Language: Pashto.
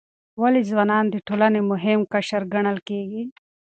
ولې ځوانان د ټولنې مهم قشر ګڼل کیږي؟